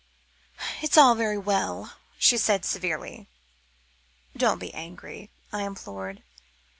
"It's all very well," she said severely. "Don't be angry," I implored.